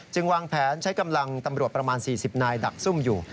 วางแผนใช้กำลังตำรวจประมาณ๔๐นายดักซุ่มอยู่